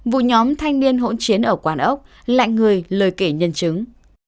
vụ nhóm thanh niên hỗn chiến ở quán ốc lại người lời kể nhân chứng